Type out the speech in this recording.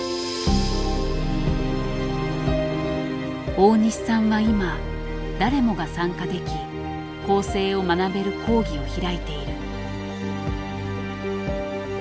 大西さんは今誰もが参加でき校正を学べる講義を開いている。